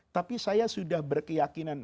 tapi saya sudah berkeyakinan